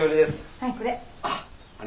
はいこれ。